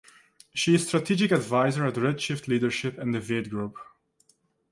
She is strategic advisor at Redshift Leadership and the Vaid Group.